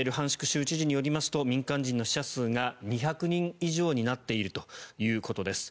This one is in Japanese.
州知事によりますと民間人の死者数が２００人以上になっているということです。